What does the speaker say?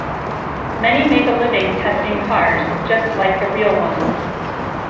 Many make a living testing cars, just like the real ones.